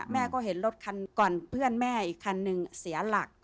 แม่ก็เห็นรถคันก่อนเพื่อนแม่อีกคันหนึ่งเสียหลัก